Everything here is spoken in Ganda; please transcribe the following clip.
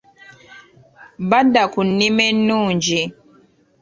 Badda ku nnima ennungi.